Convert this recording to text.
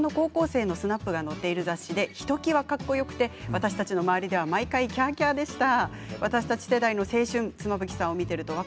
一般の高校生のスナップが載っている雑誌でひときわかっこよく私たちの周りでは毎回キャーキャーでした。